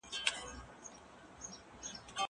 هغه وويل چي سينه سپين مهمه ده!!